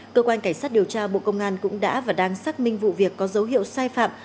cơ quan cảnh sát điều tra bộ công an cũng đã và đang xác minh vụ việc có dấu hiệu sai phạm